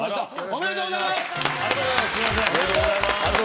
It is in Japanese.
おめでとうございます。